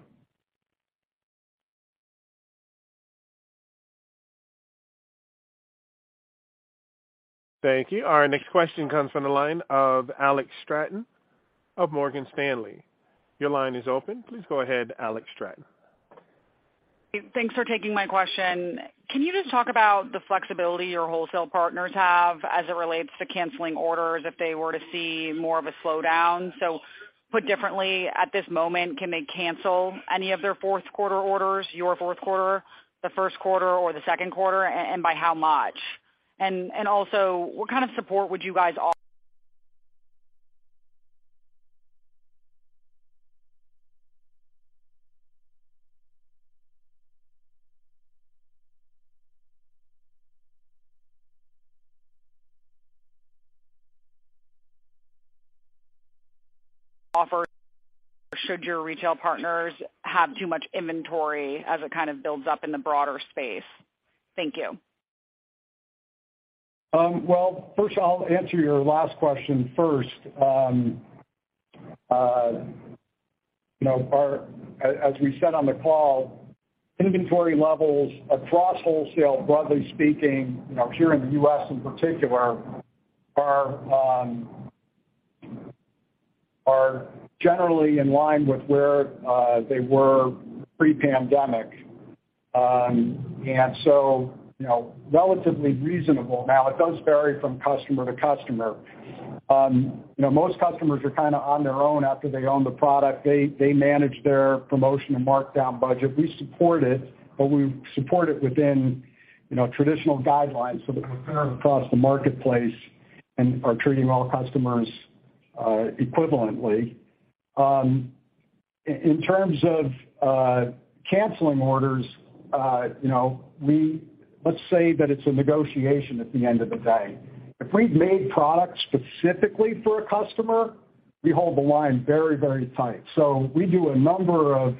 Thank you. Our next question comes from the line of Alex Straton of Morgan Stanley. Your line is open. Please go ahead, Alex Straton. Thanks for taking my question. Can you just talk about the flexibility your wholesale partners have as it relates to canceling orders if they were to see more of a slowdown? So put differently, at this moment, can they cancel any of their fourth quarter orders, your fourth quarter, the first quarter or the second quarter, and by how much? And also what kind of support would you guys offer should your retail partners have too much inventory as it kind of builds up in the broader space? Thank you. Well, first I'll answer your last question first. You know, as we said on the call, inventory levels across wholesale, broadly speaking, you know, here in the U.S. in particular, are generally in line with where they were pre-pandemic. You know, relatively reasonable. Now, it does vary from customer to customer. You know, most customers are kinda on their own after they own the product. They manage their promotion and markdown budget. We support it, but we support it within, you know, traditional guidelines so that we're fair across the marketplace and are treating all customers equivalently. In terms of canceling orders, you know, let's say that it's a negotiation at the end of the day. If we've made products specifically for a customer, we hold the line very, very tight. We do a number of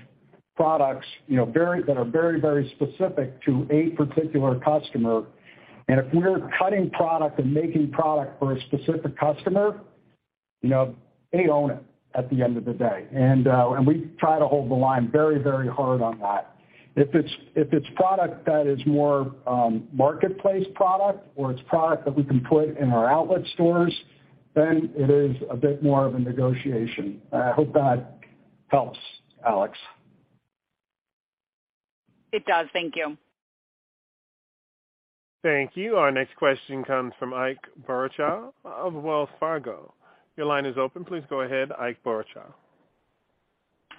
products, you know, that are very, very specific to a particular customer, and if we're cutting product and making product for a specific customer, you know, they own it at the end of the day. We try to hold the line very, very hard on that. If it's product that is more marketplace product or it's product that we can put in our outlet stores, then it is a bit more of a negotiation. I hope that helps, Alex. It does. Thank you. Thank you. Our next question comes from Ike Boruchow of Wells Fargo. Your line is open. Please go ahead, Ike Boruchow.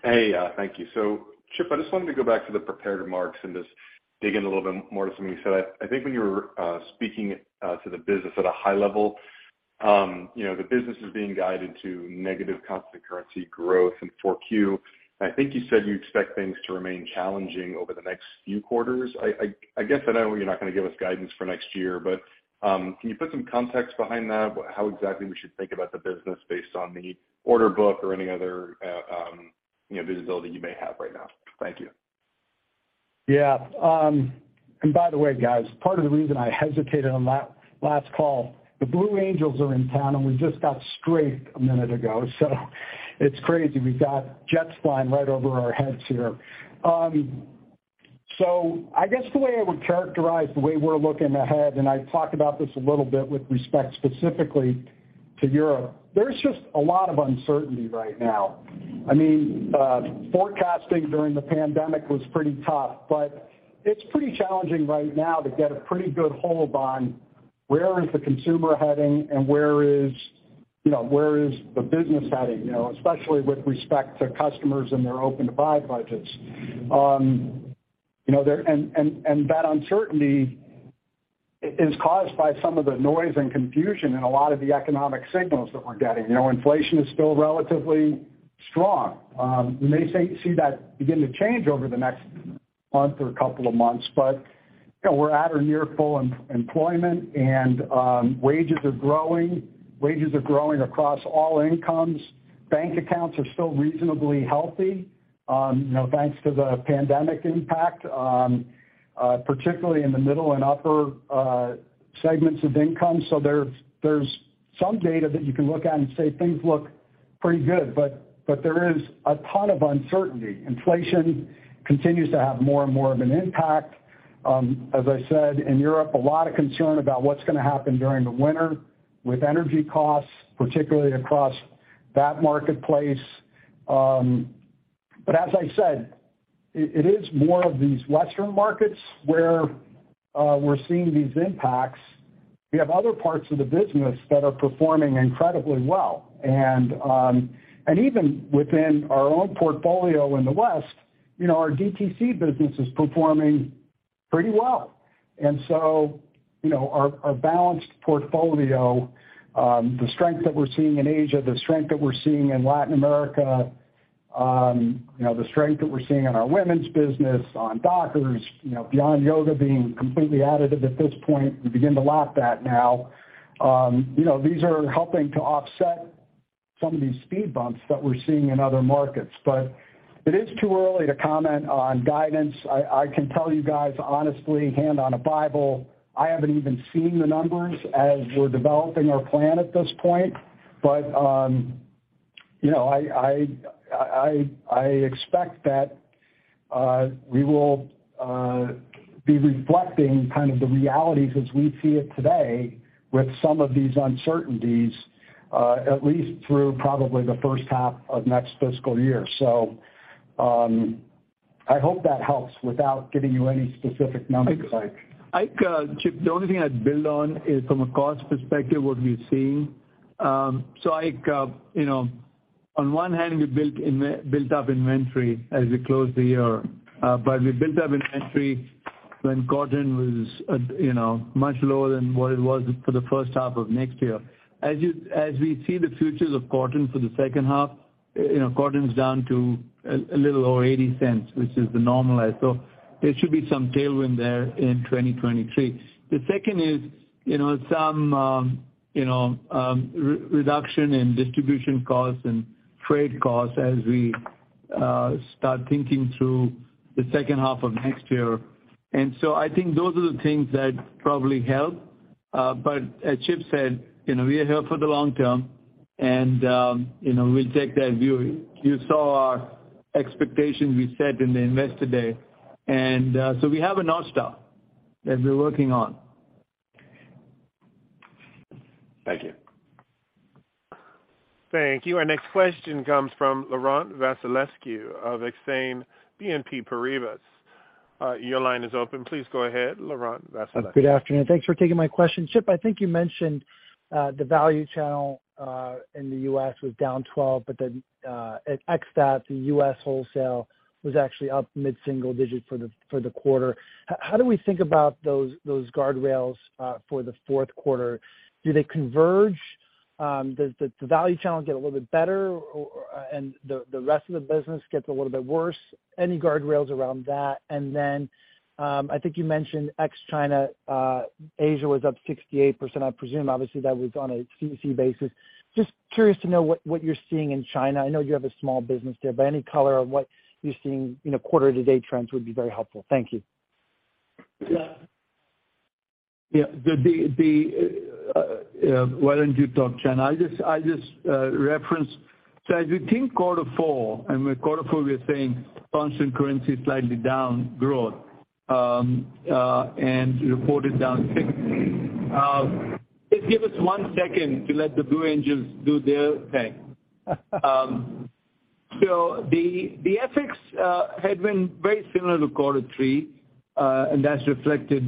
Hey, thank you. Chip, I just wanted to go back to the prepared remarks and just dig in a little bit more to something you said. I think when you were speaking to the business at a high level, you know, the business is being guided to negative constant-currency growth in Q4. I think you said you expect things to remain challenging over the next few quarters. I guess I know you're not gonna give us guidance for next year, but can you put some context behind that? How exactly we should think about the business based on the order book or any other, you know, visibility you may have right now? Thank you. Yeah. By the way, guys, part of the reason I hesitated on that last call, the Blue Angels are in town, and we just got strafed a minute ago, so it's crazy. We've got jets flying right over our heads here. I guess the way I would characterize the way we're looking ahead, and I talked about this a little bit with respect specifically to Europe, there's just a lot of uncertainty right now. I mean, forecasting during the pandemic was pretty tough, but it's pretty challenging right now to get a pretty good hold on where is the consumer heading and where is, you know, where is the business heading, you know, especially with respect to customers and their open to buy budgets. You know, there. That uncertainty is caused by some of the noise and confusion and a lot of the economic signals that we're getting. You know, inflation is still relatively strong. We may see that begin to change over the next month or couple of months. You know, we're at or near full employment and wages are growing. Wages are growing across all incomes. Bank accounts are still reasonably healthy, you know, thanks to the pandemic impact, particularly in the middle and upper segments of income. There's some data that you can look at and say things look pretty good, but there is a ton of uncertainty. Inflation continues to have more and more of an impact. As I said, in Europe, a lot of concern about what's gonna happen during the winter with energy costs, particularly across that marketplace. As I said, it is more of these Western markets where we're seeing these impacts. We have other parts of the business that are performing incredibly well. Even within our own portfolio in the West, you know, our DTC business is performing pretty well. You know, our balanced portfolio, the strength that we're seeing in Asia, the strength that we're seeing in Latin America, you know, the strength that we're seeing in our women's business, on Dockers, you know, Beyond Yoga being completely additive at this point, we begin to lap that now. You know, these are helping to offset some of these speed bumps that we're seeing in other markets. It is too early to comment on guidance. I can tell you guys honestly, hand on a Bible, I haven't even seen the numbers as we're developing our plan at this point. You know, I expect that we will be reflecting kind of the realities as we see it today with some of these uncertainties at least through probably the first half of next fiscal year. I hope that helps without giving you any specific numbers, Mike. I think, Chip, the only thing I'd build on is from a cost perspective, what we're seeing. I think, you know, on one hand, we built up inventory as we closed the year. We built up inventory when cotton was at, you know, much lower than what it was for the first half of next year. As we see the futures of cotton for the second half, you know, cotton's down to a little over $0.80, which is the normalized. There should be some tailwind there in 2023. The second is, you know, some reduction in distribution costs and freight costs as we start thinking through the second half of next year. I think those are the things that probably help. As Chip said, you know, we are here for the long term and, you know, we'll take that view. You saw our expectations we set in the Investor Day. We have a North Star that we're working on. Thank you. Thank you. Our next question comes from Laurent Vasilescu of Exane BNP Paribas. Your line is open. Please go ahead, Laurent Vasilescu. Good afternoon. Thanks for taking my question. Chip, I think you mentioned the value channel in the U.S. was down 12, but then at ex-Target, the U.S. wholesale was actually up mid-single digit for the quarter. How do we think about those guardrails for the fourth quarter? Do they converge? Does the value channel get a little bit better or and the rest of the business gets a little bit worse? Any guardrails around that? I think you mentioned ex-China, Asia was up 68%. I presume obviously that was on a CC basis. Just curious to know what you're seeing in China. I know you have a small business there, but any color on what you're seeing, you know, quarter to date trends would be very helpful. Thank you. Yeah. Why don't you talk, Chan? I just reference. As we think quarter four, and with quarter four, we are saying constant-currency slightly down growth, and reported down 6%. Just give us one second to let the Blue Angels do their thing. The FX had been very similar to quarter three, and that's reflected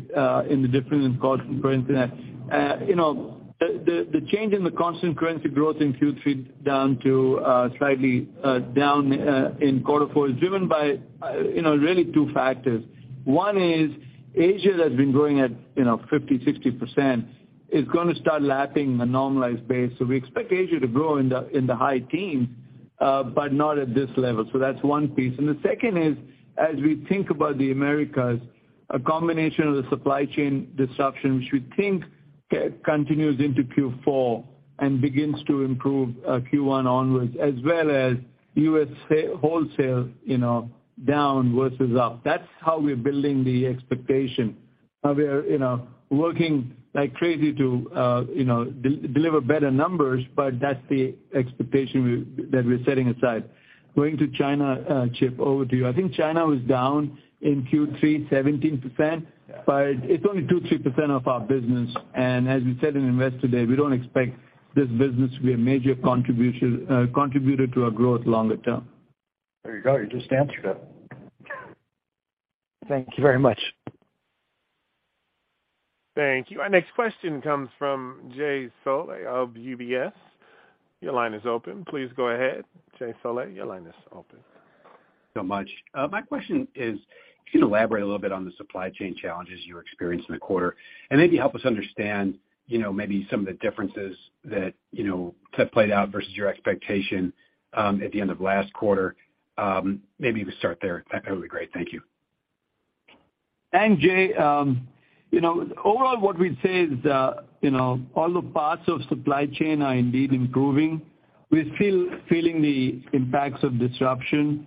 in the difference in constant-currency. You know, the change in the constant-currency growth in Q3 down to slightly down in quarter four is driven by you know, really two factors. One is Asia that's been growing at, you know, 50, 60%, is gonna start lapping a normalized base. We expect Asia to grow in the high teens, but not at this level. That's one piece. The second is, as we think about the Americas, a combination of the Supply Chain Disruptions we think continues into Q4 and begins to improve, Q1 onwards, as well as US sales wholesale, you know, down versus up. That's how we're building the expectation. Now we are, you know, working like crazy to, you know, deliver better numbers, but that's the expectation that we're setting aside. Going to China, Chip, over to you. I think China was down in Q3 17%, but it's only 2-3% of our business. As we said in Investor Day, we don't expect this business to be a major contributor to our growth longer term. There you go. You just answered it. Thank you very much. Thank you. Our next question comes from Jay Sole of UBS. Your line is open. Please go ahead. Jay Sole, your line is open. So much. My question is, can you elaborate a little bit on the supply chain challenges you experienced in the quarter? Maybe help us understand, you know, maybe some of the differences that, you know, have played out versus your expectation, at the end of last quarter. Maybe we start there. That'd be great. Thank you. Jay, you know, overall what we'd say is, you know, all the parts of supply chain are indeed improving. We're still feeling the impacts of disruption.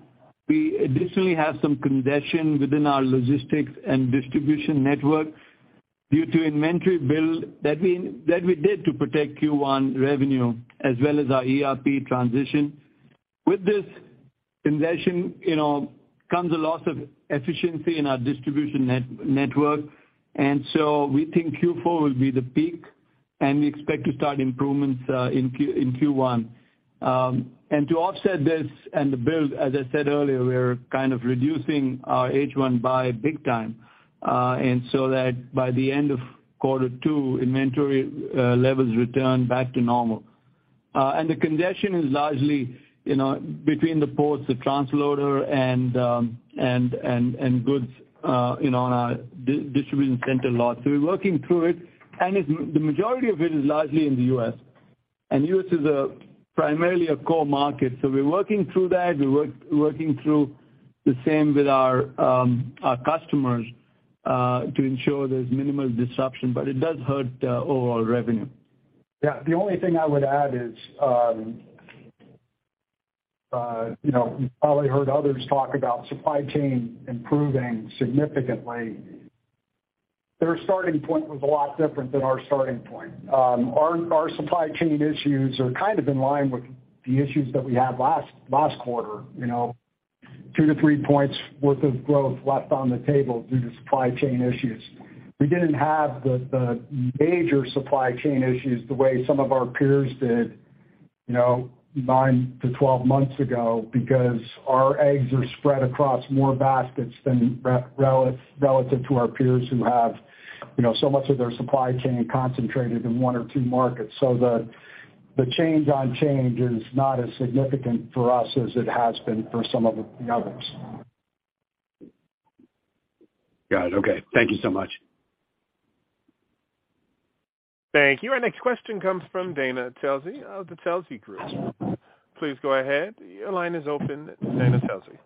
We additionally have some congestion within our logistics and distribution network due to inventory build that we did to protect Q1 revenue as well as our ERP transition. With this congestion, you know, comes a loss of efficiency in our distribution network. We think Q4 will be the peak. We expect to start improvements in Q1. To offset this and the build, as I said earlier, we are kind of reducing our H1 by big time, and so that by the end of quarter two, inventory levels return back to normal. The congestion is largely, you know, between the ports, the transloader and goods, you know, on our distribution center lot. We're working through it. The majority of it is largely in the U.S., and U.S. is a primarily a core market, so we're working through that. We're working through the same with our customers to ensure there's minimal disruption, but it does hurt overall revenue. Yeah. The only thing I would add is, you know, you probably heard others talk about supply chain improving significantly. Their starting point was a lot different than our starting point. Our supply chain issues are kind of in line with the issues that we had last quarter, you know. 2%-3% worth of growth left on the table due to supply chain issues. We didn't have the major supply chain issues the way some of our peers did, you know, nine to 12 months ago because our eggs are spread across more baskets than relative to our peers who have, you know, so much of their supply chain concentrated in one or two markets. The change in change is not as significant for us as it has been for some of the others. Got it. Okay. Thank you so much. Thank you. Our next question comes from Dana Telsey of the Telsey Group. Please go ahead. Your line is open, Dana Telsey. Good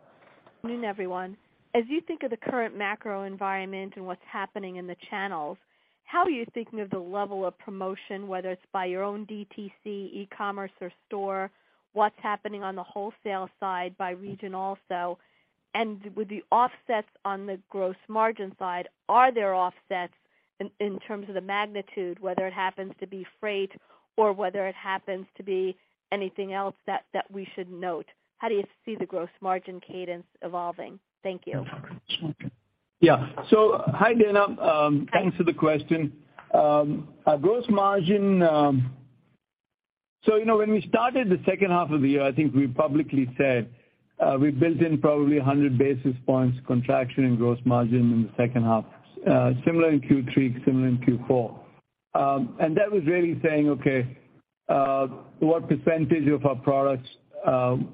morning, everyone. As you think of the current macro environment and what's happening in the channels, how are you thinking of the level of promotion, whether it's by your own DTC e-commerce or store, what's happening on the wholesale side by region also? With the offsets on the gross margin side, are there offsets in terms of the magnitude, whether it happens to be freight or whether it happens to be anything else that we should note? How do you see the gross margin cadence evolving? Thank you. Yeah. Hi, Dana. Thanks for the question. Our gross margin. You know, when we started the second half of the year, I think we publicly said we built in probably 100 basis points contraction in gross margin in the second half, similar in Q3, similar in Q4. That was really saying, okay, what percentage of our products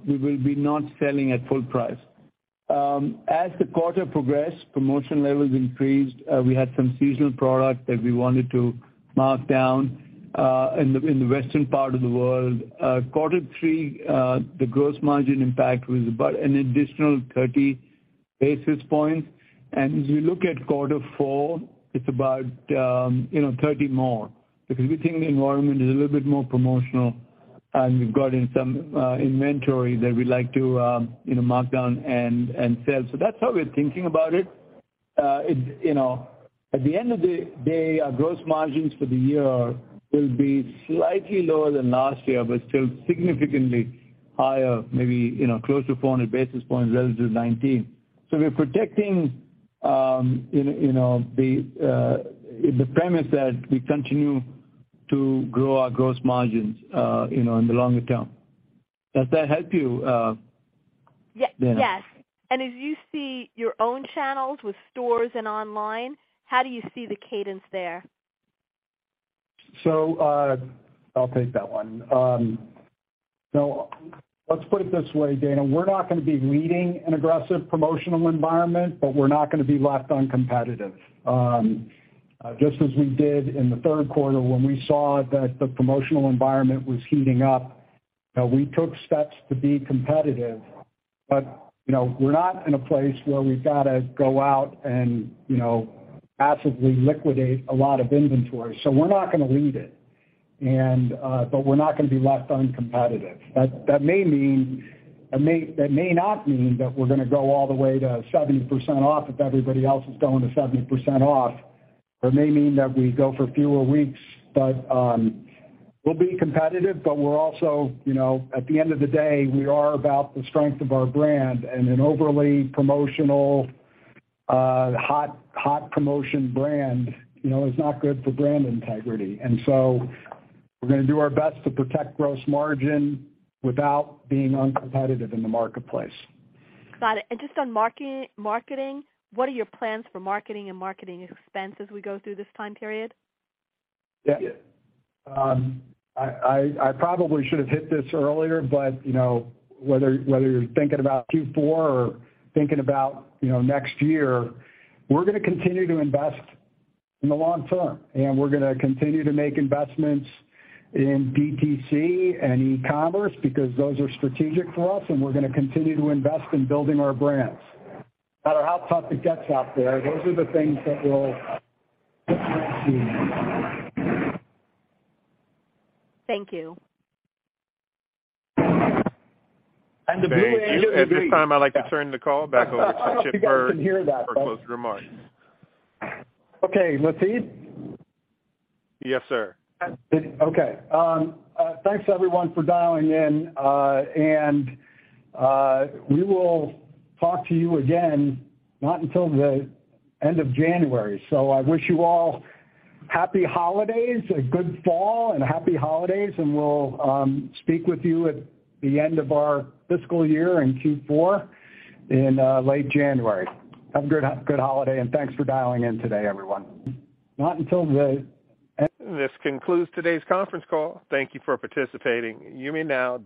we will be not selling at full price. As the quarter progressed, promotion levels increased. We had some seasonal product that we wanted to mark down in the western part of the world. Quarter three, the gross margin impact was about an additional 30 basis points. As we look at quarter four, it's about, you know, 30 more. Because we think the environment is a little bit more promotional, and we've got some inventory that we'd like to, you know, mark down and sell. That's how we're thinking about it. You know, at the end of the day, our gross margins for the year will be slightly lower than last year, but still significantly higher, maybe, you know, close to 400 basis points relative to 2019. We're protecting, you know, the premise that we continue to grow our gross margins, you know, in the longer term. Does that help you, Dana? Yes. As you see your own channels with stores and online, how do you see the cadence there? I'll take that one. Let's put it this way, Dana. We're not gonna be leading an aggressive promotional environment, but we're not gonna be left uncompetitive. Just as we did in the third quarter when we saw that the promotional environment was heating up, we took steps to be competitive. You know, we're not in a place where we've gotta go out and, you know, passively liquidate a lot of inventory. We're not gonna lead it and we're not gonna be left uncompetitive. That may not mean that we're gonna go all the way to 70% off if everybody else is going to 70% off. That may mean that we go for fewer weeks, but we'll be competitive, but we're also, you know, at the end of the day, we are about the strength of our brand and an overly promotional hot promotion brand, you know, is not good for brand integrity. We're gonna do our best to protect gross margin without being uncompetitive in the marketplace. Got it. Just on marketing, what are your plans for marketing and marketing expense as we go through this time period? Yeah. I probably should have hit this earlier, but, you know, whether you're thinking about Q4 or thinking about, you know, next year, we're gonna continue to invest in the long term, and we're gonna continue to make investments in DTC and e-commerce because those are strategic for us, and we're gonna continue to invest in building our brands. No matter how tough it gets out there, those are the things that will. Thank you. The Blue Angels is green. At this time, I'd like to turn the call back over to Chip Bergh. I don't know if you guys can hear that. For closing remarks. Okay. Latif? Yes, sir. Okay. Thanks everyone for dialing in. We will talk to you again not until the end of January. I wish you all happy holidays, a good fall and happy holidays, and we'll speak with you at the end of our fiscal year in Q4 in late January. Have a good holiday and thanks for dialing in today, everyone. This concludes today's conference call. Thank you for participating. You may now disconnect.